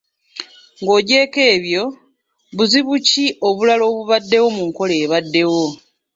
Ng’oggyeeko ebyo, buzibu ki obulala obubaddewo mu nkola ebaddewo?